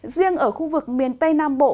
riêng ở khu vực miền tây nam bộ